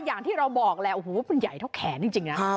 อย่างที่เราบอกแหละโอ้โหมันใหญ่เท่าแขนจริงนะ